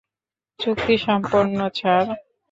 চুক্তি সম্পন্ন, স্যার।